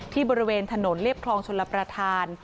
บริเวณถนนเรียบคลองชลประธาน